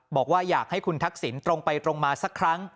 บอกว่าอยากให้คุณทักษิณตรงไปตรงมาสักครั้ง